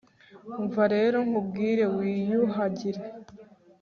umva rero, nkubwire: wiyuhagire